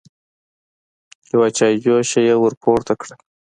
يوه چايجوشه يې ور پورته کړه.